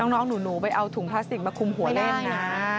น้องหนูไปเอาถุงพลาสติกมาคุมหัวเล่นนะ